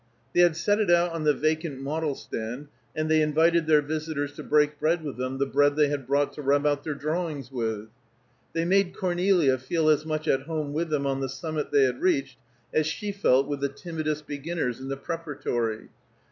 They had set it out on the vacant model stand, and they invited their visitors to break bread with them: the bread they had brought to rub out their drawings with. They made Cornelia feel as much at home with them on the summit they had reached, as she felt with the timidest beginners in the Preparatory.